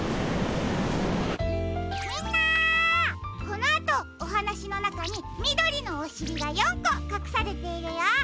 このあとおはなしのなかにみどりのおしりが４こかくされているよ。